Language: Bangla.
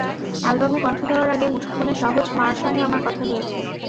অ্যালবামে কণ্ঠ দেওয়ার আগে মুঠোফোনে সহজ মার সঙ্গে আমার কথা হয়েছে।